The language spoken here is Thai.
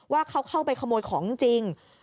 ว่าเขาเข้าไปขโมยของจริง